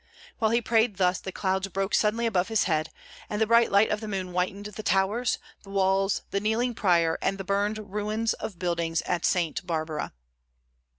While he prayed thus the clouds broke suddenly above his head, and the bright light of the moon whitened the towers, the walls, the kneeling prior and the burned ruins of buildings at Saint Barbara.